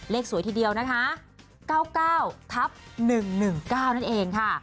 สวยทีเดียวนะคะ๙๙ทับ๑๑๙นั่นเองค่ะ